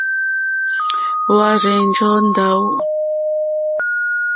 Hwá rzènjó ndáwù.